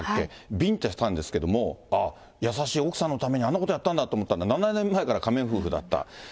ビンタしたんですけど、優しい奥さんのためにあんなことやったんだと思ったら、７年前から仮面夫婦だった。